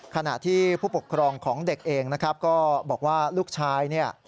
ขณะที่ผู้ปกครองของเด็กเองก็บอกว่าลูกชาย